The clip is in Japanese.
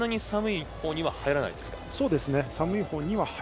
寒いほうには入らないです。